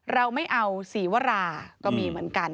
เราไม่เอาศรีวราก็มีเหมือนกัน